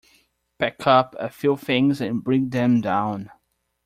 Pack up a few things and bring them down.